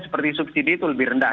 seperti subsidi itu lebih rendah